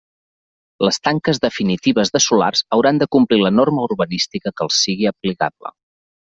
Les tanques definitives de solars hauran de complir la norma urbanística que els sigui aplicable.